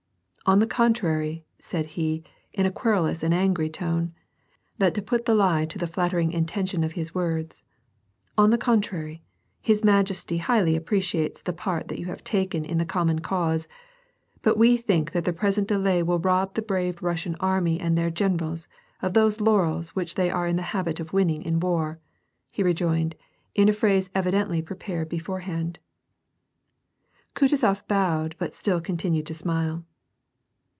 *'0n the contrary," said he, in a querulous and angry tone, that put the lie to the flattering intention of his words ;" on the contrary, his majesty highly appreciates the part that you have taken in the common cause, but we think that the present delay will rob the brave Russian army and their generals of those laurels which they are in the habit of winning in war," he rejoined, in a phrase evidently prepared beforehand. Kutuzof bowed but still continued to smile.